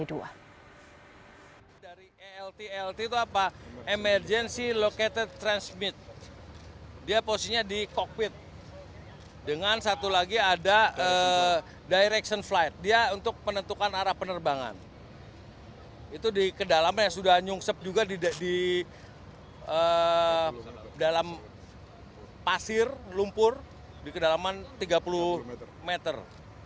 dalam pasir lumpur di kedalaman tiga puluh meter